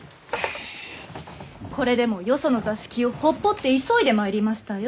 これでもよその座敷をほっぽって急いで参りましたよ。